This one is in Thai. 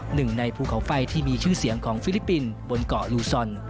หนึ่งในภูเขาไฟที่มีชื่อเสียงของฟิลิปปินส์บนเกาะลูซอน